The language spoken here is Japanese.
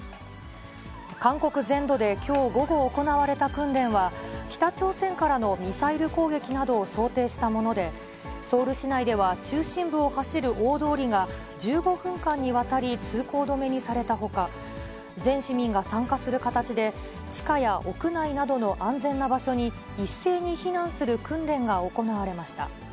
韓国全土できょう午後、行われた訓練は、北朝鮮からのミサイル攻撃などを想定したもので、ソウル市内では中心部を走る大通りが、１５分間にわたり通行止めにされたほか、全市民が参加する形で、地下や屋内などの安全な場所に一斉に避難する訓練が行われました。